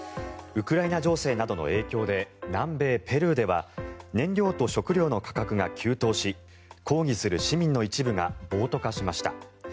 ウクライナ情勢などの影響で南米ペルーでは燃料と食料の価格が急騰し抗議する市民の一部が暴徒化しました。